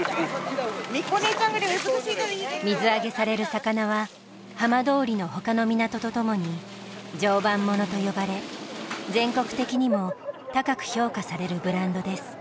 水揚げされる魚は浜通りの他の港とともに「常磐もの」と呼ばれ全国的にも高く評価されるブランドです。